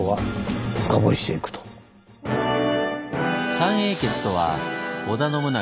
「三英傑」とは織田信長